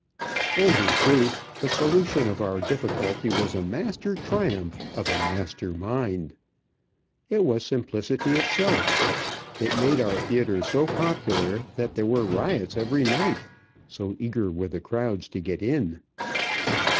And, in truth, the solution of our difficulty was a master triumph of a master mind. It was simplicity itself. It made our theatre so popular that there were riots every night, so eager were the crowds to get in.